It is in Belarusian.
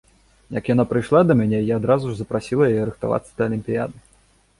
Як яна прыйшла да мяне, я адразу ж запрасіла яе рыхтавацца да алімпіяды.